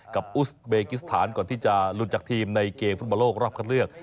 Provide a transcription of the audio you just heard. อุสเบกิสถานก่อนที่จะหลุดจากทีมในเกมฟุตบอลโลกรอบคันเลือก